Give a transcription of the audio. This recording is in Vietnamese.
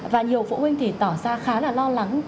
và nhiều phụ huynh thì tỏ ra khá là lo lắng